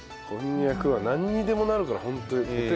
こんにゃくはなんにでもなるからホントに。